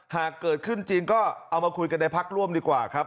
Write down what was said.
หากเกิดขึ้นจริงก็เอามาคุยกันในพักร่วมดีกว่าครับ